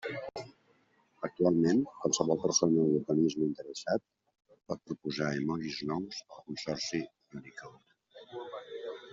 Actualment, qualsevol persona o organisme interessat pot proposar emojis nous al consorci Unicode.